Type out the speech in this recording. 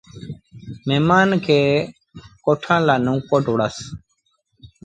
مهممآݩ کي ڪوٺڻ لآ نئون ڪوٽ وُهڙس۔